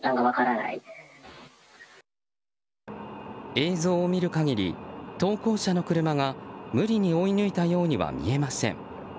映像を見る限り、投稿者の車が無理に追い抜いたようには見えません。